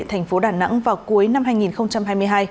thành phố đà nẵng vào cuối năm hai nghìn hai mươi hai